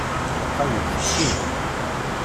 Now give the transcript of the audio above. Lqayet tfidi.